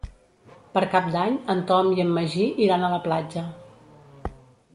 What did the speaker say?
Per Cap d'Any en Tom i en Magí iran a la platja.